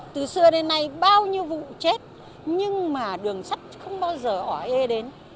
từ xưa đến nay bao nhiêu vụ chết nhưng mà đường sắt không bao giờ hỏi ê đến